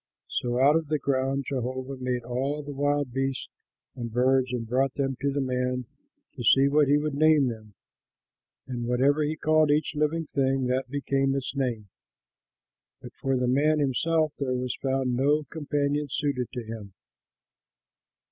So out of the ground Jehovah made all the wild beasts and birds, and brought them to the man to see what he would name them; and whatever he called each living thing that became its name. But for the man himself there was found no companion suited to him.